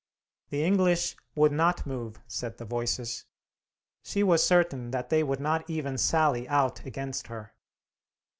The English would not move, said the Voices. She was certain that they would not even sally out against her.